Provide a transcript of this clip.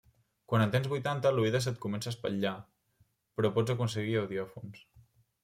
Quan en tens vuitanta, l'oïda se't comença a espatllar, però pots aconseguir audiòfons.